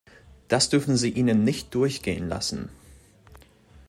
Das dürfen Sie ihnen nicht durchgehen lassen.